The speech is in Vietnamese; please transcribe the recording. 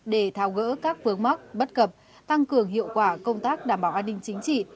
để thao gỡ các vướng mắc bất cập tăng cường hiệu quả công tác đảm bảo an ninh chính trị